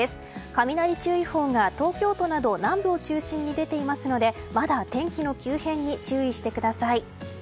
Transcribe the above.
雷注意報が東京都など南部を中心に出ていますのでまだ天気の急変に注意してください。